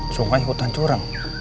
sungai hutan jurang